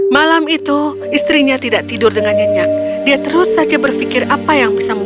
malam itu istrinya tidak tidur dengan nyenyak dia terus saja berpikir apa yang bisa membuat